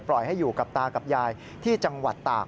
ให้อยู่กับตากับยายที่จังหวัดตาก